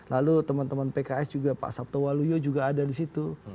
lalu teman teman pks juga pak sabto waluyo juga ada di situ